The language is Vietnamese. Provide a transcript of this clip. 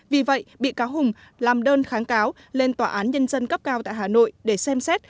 vì vậy bị cáo hùng làm đơn kháng cáo lên tòa án nhân dân cấp cao tại hà nội để xem xét